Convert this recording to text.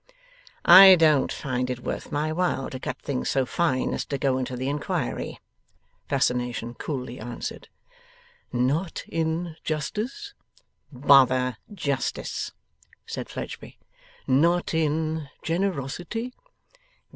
'I don't find it worth my while to cut things so fine as to go into the inquiry,' Fascination coolly answered. 'Not in justice?' 'Bother justice!' said Fledgeby. 'Not in generosity?